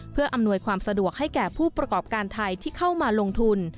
เพื่ออำนวยความสะดวกให้แก่ผู้ประกอบการไทยที่เข้ามาลงทุน